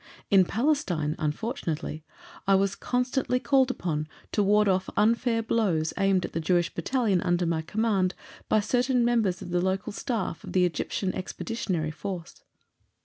In Palestine, unfortunately, I was constantly called upon to ward off unfair blows aimed at the Jewish Battalion under my command by certain members of the local staff of the Egyptian Expeditionary Force.